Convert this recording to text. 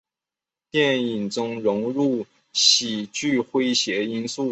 电影中融入喜剧诙谐因素。